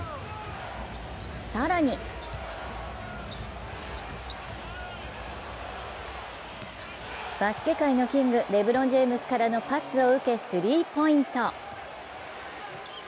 更にバスケ界のキング、レブロン・ジェームズからのパスを受け、スリーポイント。